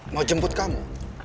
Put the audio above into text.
mau jemput kamu